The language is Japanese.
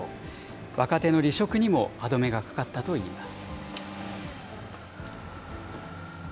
若手の離職にも歯止めがかかったといいます。